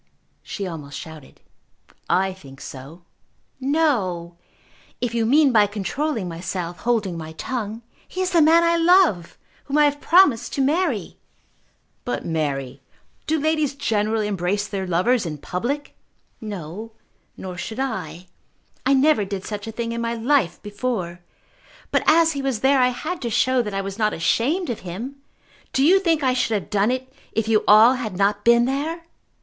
she almost shouted. "I think so." "No; if you mean by controlling myself, holding my tongue. He is the man I love, whom I have promised to marry." "But, Mary, do ladies generally embrace their lovers in public?" "No; nor should I. I never did such a thing in my life before. But as he was there I had to show that I was not ashamed of him! Do you think I should have done it if you all had not been there?"